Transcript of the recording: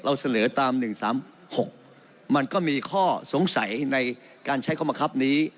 เราเสนอตามหนึ่งสามหกมันก็มีข้อสงสัยในการใช้ข้อบังคับนี้